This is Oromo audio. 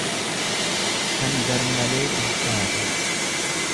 kan gar malee bilchaate.